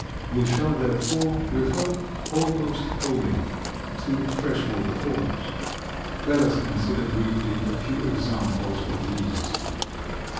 We shall, therefore, refer almost wholly to fresh water forms. Let us consider briefly a few examples of these.